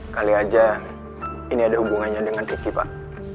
kali aja ini ada hubungannya dengan kiki pak